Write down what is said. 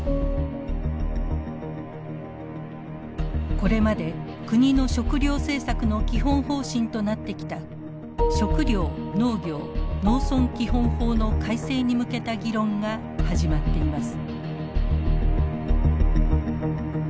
これまで国の食料政策の基本方針となってきた「食料・農業・農村基本法」の改正に向けた議論が始まっています。